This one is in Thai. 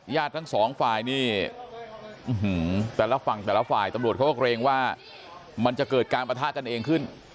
ทั้งสองฝ่ายนี่แต่ละฝั่งแต่ละฝ่ายตำรวจเขาก็เกรงว่ามันจะเกิดการประทะกันเองขึ้น